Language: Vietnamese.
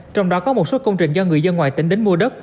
trong đó có một số công trình do người dân ngoài tỉnh đến mua đất